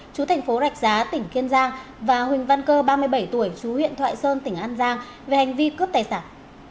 chú thành phố rạch giá tỉnh kiên giang và huỳnh văn cơ ba mươi bảy tuổi chú huyện thoại sơn tỉnh an giang về hành vi cướp tài sản